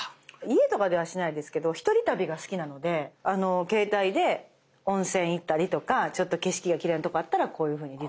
家とかではしないですけど一人旅が好きなので携帯で温泉行ったりとかちょっと景色がきれいな所あったらこういうふうに自撮りを。